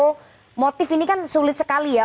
jadi kalau motif ini kan sulit sekali ya